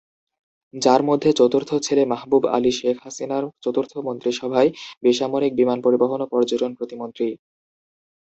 যার মধ্যে চতুর্থ ছেলে মাহবুব আলী শেখ হাসিনার চতুর্থ মন্ত্রিসভায় বেসামরিক বিমান পরিবহন ও পর্যটন প্রতিমন্ত্রী।